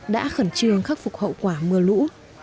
đã khẩn trương khắc phục hậu quả mưa lũ